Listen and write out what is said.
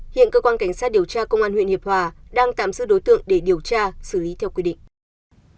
hiện cơ quan cảnh sát điều tra công an huyện hiệp hòa đang tạm giữ đối tượng để điều tra xử lý theo quy định